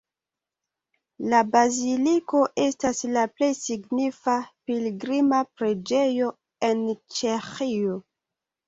La baziliko estas la plej signifa pilgrima preĝejo en Ĉeĥio.